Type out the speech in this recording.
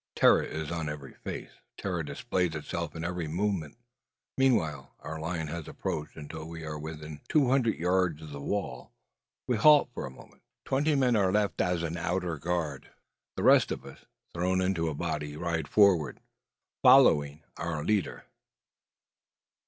Terror is on every face; terror displays itself in every movement. Meanwhile our line has approached, until we are within two hundred yards of the walls. We halt for a moment. Twenty men are left as an outer guard. The rest of us, thrown into a body, ride forward, following our leader.